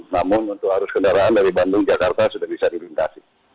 namun untuk arus kendaraan dari bandung jakarta sudah bisa dilintasi